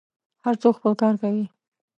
هر څوک خپل کار لري.